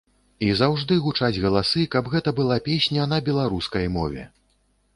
І заўжды гучаць галасы, каб гэта была песня на беларускай мове.